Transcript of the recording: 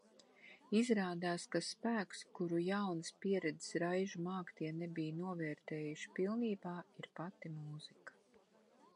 Izrādās, ka spēks, kuru jaunas pieredzes raižu māktie nebija novērtējuši pilnībā, ir pati mūzika.